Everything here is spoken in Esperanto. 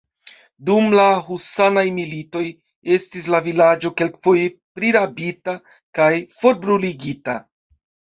Dum la Husanaj Militoj estis la vilaĝo kelkfoje prirabita kaj forbruligita.